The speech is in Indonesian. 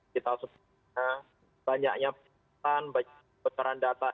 kita sebutnya banyaknya penelusuran banyaknya penelusuran data